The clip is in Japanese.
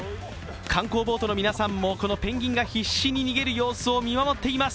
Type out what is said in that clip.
観光ボートの皆さんもペンギンが必死に逃げる様子を見守っています。